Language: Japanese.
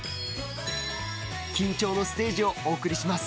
緊張のステージをお送りします。